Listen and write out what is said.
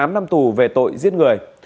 một mươi tám năm tù về tội giết người